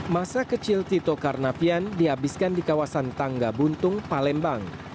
masa kecil tito karnavian dihabiskan di kawasan tangga buntung palembang